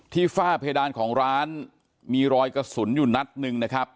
ฝ้าเพดานของร้านมีรอยกระสุนอยู่นัดหนึ่งนะครับ